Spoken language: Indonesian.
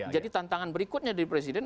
jadi tantangan berikutnya dari presiden